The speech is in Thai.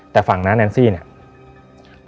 แต่ฝั่งน้าแอนซี่เนี่ย